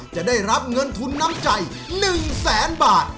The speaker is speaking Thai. จะได้รับเงินทุนน้ำใจ๑แสนบาท